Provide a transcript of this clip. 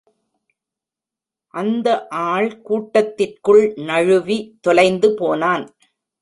அந்த ஆள் கூட்டத்திற்குள் நழுவி, தொலைந்து போனான்.